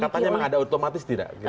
katanya memang ada otomatis tidak